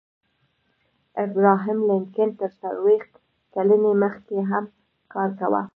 ابراهم لینکن تر څلویښت کلنۍ مخکې هر کار کاوه